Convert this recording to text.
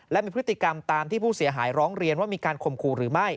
และมีพฤติกรรมตามที่ผู้เสียหายร้องเรียนว่ามีการข่มขู่หรือไม่